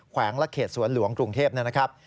วงและเขตสวนหลวงกรุงเทพนะครับ